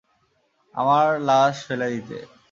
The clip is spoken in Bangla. আমার লাশ ফেলে দিতে।